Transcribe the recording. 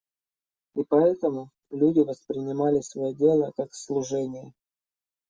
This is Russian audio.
И поэтому люди воспринимали свое дело как служение.